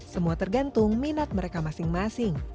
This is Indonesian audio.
semua tergantung minat mereka masing masing